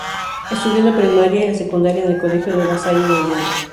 Estudió la primaria y la secundaria en el Colegio La Salle de Lima.